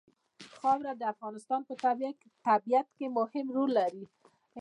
خاوره د افغانستان په طبیعت کې مهم رول لري.